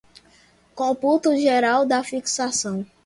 cômputo geral da fixação